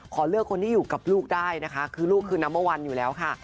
ขอเลือกคนที่อยู่กับลูกได้นะคะคือลูกคือนัมเบอร์วันอยู่แล้วค่ะ